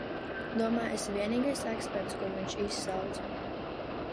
Domā, esi vienīgais eksperts, kuru viņš izsauca?